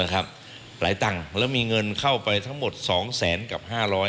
หลายตังค์แล้วมีเงินเข้าไปทั้งหมด๒แสนกับ๕๐๐